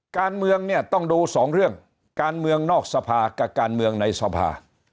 การเมืองเนี่ยต้องดูสองเรื่องการเมืองนอกสภากับการเมืองในสภา